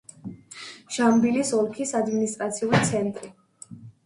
ჟამბილის ოლქის ადმინისტრაციული ცენტრი.